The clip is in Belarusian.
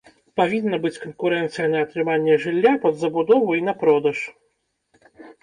Павінна быць канкурэнцыя на атрыманне жылля пад забудову і на продаж.